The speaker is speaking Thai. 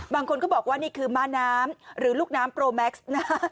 บางคนก็บอกว่านี่คือม้าน้ำหรือลูกน้ำโปรแม็กซ์นะฮะ